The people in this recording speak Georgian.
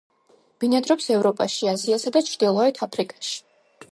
ბინადრობს ევროპაში, აზიასა და ჩრდილოეთ აფრიკაში.